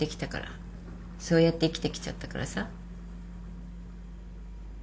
そうやって生きてきちゃったからさ。